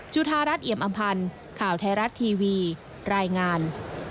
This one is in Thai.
จุธารัฐเอี่ยมอำพันธ์ข่าวไทยรัฐทีวีรายงาน